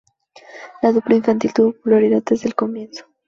La dupla infantil tuvo popularidad desde el comienzo.